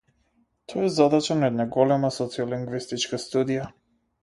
Тоа е задача на една голема социолингвистичка студија.